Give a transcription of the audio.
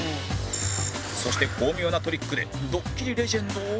そして巧妙なトリックでドッキリレジェンドを